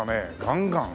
ガンガン。